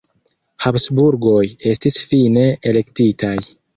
Habsburgoj estis fine elektitaj.